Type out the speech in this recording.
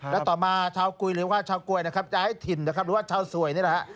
แล้วต่อมาชาวกุยหรือว่าชาวกุยย้ายถิ่นหรือว่าชาวสวยนี่แหละ